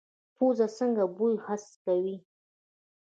پوزه څنګه بوی حس کوي؟